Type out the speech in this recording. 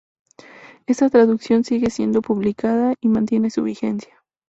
Esta traducción sigue siendo publicada y mantiene su vigencia.